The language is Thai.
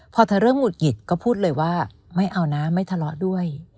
พอเธอเริ่มหุดหงิดก็พูดเลยว่าไม่เอานะไม่ทะเลาะด้วย